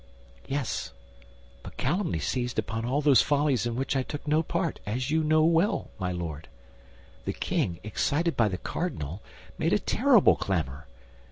"Yes, but calumny seized upon all those follies in which I took no part, as you well know, my Lord. The king, excited by the cardinal, made a terrible clamor.